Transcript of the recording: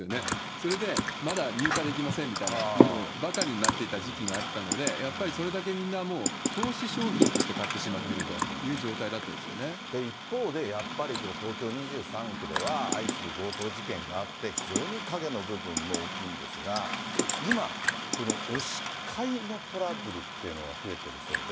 それでまだ入荷できませんみたいなものばかりになっていた時期があったので、やっぱりそれだけみんなもう投資商品として買ってしまってるとい一方でやっぱり、東京２３区では相次ぐ強盗事件があって、非常に影の部分も大きいんですが、今、この押し買いのトラブルというのが増えてるそうです。